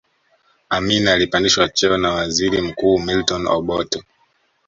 amin alipandishwa cheo na waziri mkuu milton obote